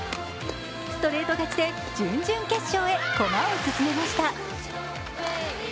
ストレート勝ちで準々決勝へ駒を進めました。